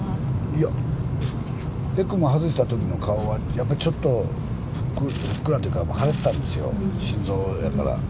いや、ＥＣＭＯ外したときの顔は、やっぱちょっとふっくらというか、腫れてたんですよ、心臓やから。